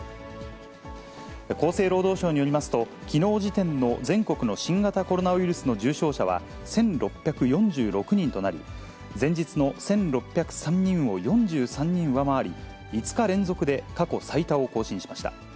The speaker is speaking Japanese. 厚生労働省によりますと、きのう時点の全国の新型コロナウイルスの重症者は１６４６人となり、前日の１６０３人を４３人上回り、５日連続で過去最多を更新しました。